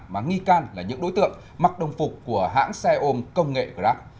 mà nghi can là những đối tượng mặc đồng phục của hãng xe ôm công nghệ grab